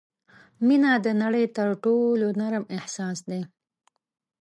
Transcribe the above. • مینه د نړۍ تر ټولو نرم احساس دی.